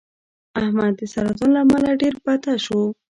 احمد د سرطان له امله ډېر بته شو.